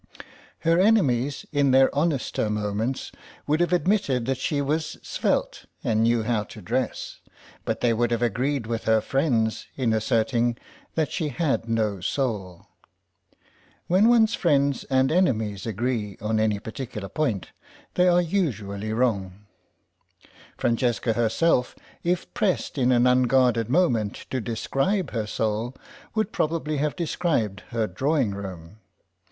Her enemies, in their honester moments, would have admitted that she was svelte and knew how to dress, but they would have agreed with her friends in asserting that she had no soul. When one's friends and enemies agree on any particular point they are usually wrong. Francesca herself, if pressed in an unguarded moment to describe her soul, would probably have described her drawing room.